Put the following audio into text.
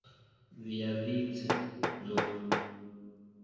Viavice, nun!